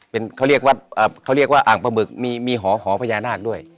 เป็นเขาเรียกว่าเขาเรียกว่าอ่างปลาบึกมีหอหอพญานาคด้วย